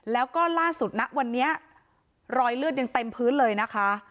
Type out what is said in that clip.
แล้วก็ล่าสุดนะวันนี้รอยเลือดยังเต็มพื้นเลยนะคะ